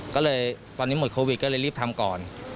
ก็เลยตอนนี้หมดโควิดก็เลยรีบทำก่อน